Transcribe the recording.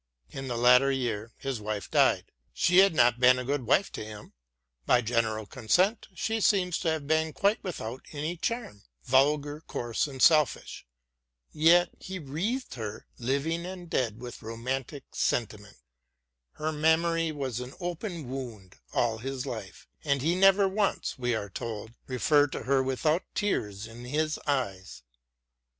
In the latter year his wife died. She had not been a good wife to him — by general consent she seems to have been quite without any charm, vulgar, coarse, and selfish — yet he wreathed her, * Boswell's " Life of Johnson." 34 SAMUEL JOHNSON living and dead, with romantic sentiment: her memory was an open wound all his life, and he never, we are told, referred to her without tears in his eyes.